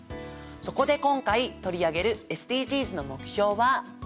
そこで今回取り上げるＳＤＧｓの目標はジャン！